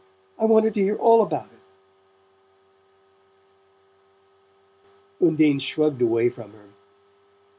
I wanted to hear all about it." Undine shrugged away from her.